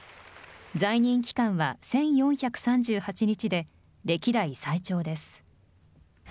在任期間は１４３８日で、歴代最長です。